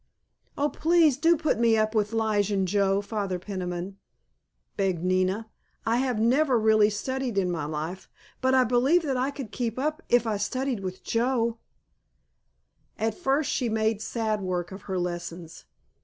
"Oh, please do put me up with Lige and Joe, Father Peniman," begged Nina; "I have never really studied in my life, but I believe that I could keep up if I studied with Joe." At first she made sad work of her lessons.